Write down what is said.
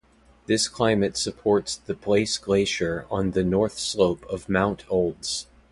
This climate supports the Place Glacier on the north slope of Mount Olds.